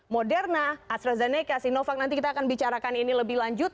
moderna astrazeneca sinovac nanti kita akan bicarakan ini lebih lanjut